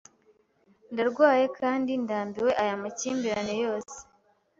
Ndarwaye kandi ndambiwe aya makimbirane yose.